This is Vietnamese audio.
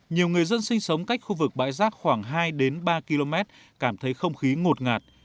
nhiều người dân sinh sống cách khu vực bãi rác khoảng hai ba km cảm thấy không khí ngột ngạt